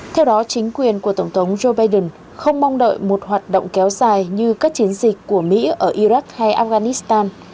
theo đó chính quyền của tổng thống joe biden không mong đợi một hoạt động kéo dài như các chiến dịch của mỹ ở iraq hay afghanistan